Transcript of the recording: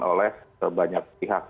oleh banyak pihak